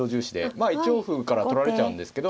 まあ１四歩から取られちゃうんですけど。